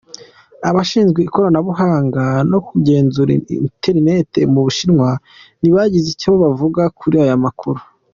Abashinzwe ikoranabuhanga no kugenzura internet mu Bushinwa ntibagize icyo bavuga kuri aya makuru.